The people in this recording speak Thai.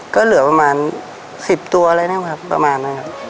ก็เหลือประมาณ๑๐ตัวอะไรนะครับประมาณนั้นครับ